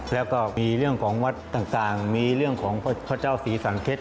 แล้วก็มีเรื่องของวัดต่างมีเรื่องของพระเจ้าศรีสันเพชร